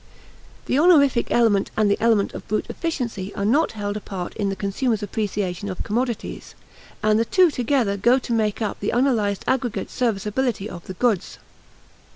The honorific element and the element of brute efficiency are not held apart in the consumer's appreciation of commodities, and the two together go to make up the unanalyzed aggregate serviceability of the goods.